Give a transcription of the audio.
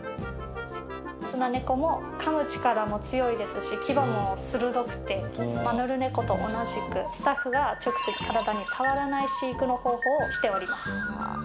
スナネコもかむ力も強いですし牙も鋭くて、マヌルネコと同じくスタッフが直接体に触らない飼育の方法をしております。